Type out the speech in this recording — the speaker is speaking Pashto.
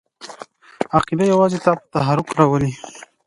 عقیده یوازې تا په تحرک راولي!